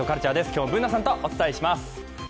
今日もＢｏｏｎａさんとお伝えします。